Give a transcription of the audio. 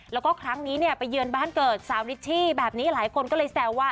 แล้วก็ครั้งนี้เนี่ยไปเยือนบ้านเกิดสาวนิชชี่แบบนี้หลายคนก็เลยแซวว่า